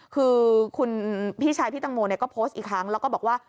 คือคุณพี่ชายพี่ตังโมเนี่ยก็โพสต์อีกครั้งแล้วก็บอกว่า